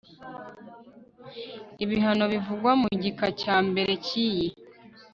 Ibihano bivugwa mu gika cya mbere cy iyi